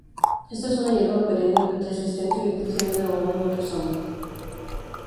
Esta es una hierba perenne resistente que crece de un arbolado rizoma.